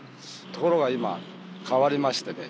ところが今変わりましてね